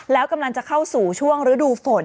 แล้วกำลังจะเข้าสู่ช่วงฤดูฝน